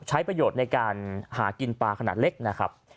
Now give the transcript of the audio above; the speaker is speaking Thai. ใช้ประโยชน์ในการหากินปลาขนาดเล็กนะครับ